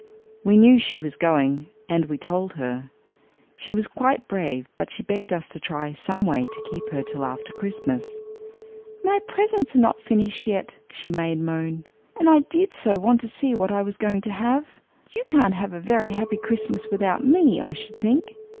We knew she was going, and we told her. She was quite brave, but she begged us to try some way to keep her till after Christmas. 'My presents are not finished yet,' she made moan. 'And I did so want to see what I was going to have. You can't have a very happy Christmas without me, I should think.